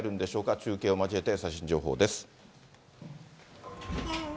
中継を交えて最新情報です。